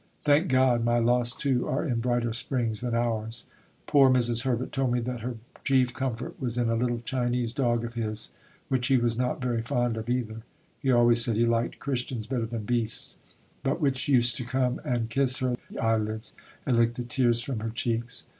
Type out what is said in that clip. Thank God! my lost two are in brighter springs than ours. Poor Mrs. Herbert told me that her chief comfort was in a little Chinese dog of his, which he was not very fond of either (he always said he liked Christians better than beasts), but which used to come and kiss her eyelids and lick the tears from her cheeks.